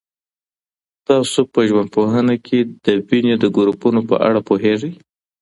تاسو په ژوندپوهنه کي د وینې د ګروپونو په اړه پوهېږئ؟